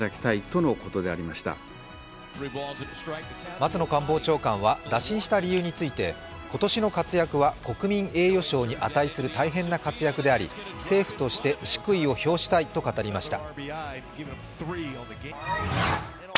松野官房長官は打診した理由について今年の活躍は国民栄誉賞に値する大変な活躍であり、政府として祝意を表したいと語りました。